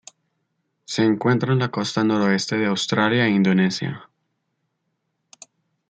Se encuentra en la costa noroeste de Australia e Indonesia.